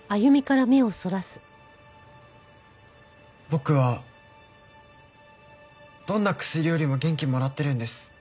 僕はどんな薬よりも元気もらってるんです。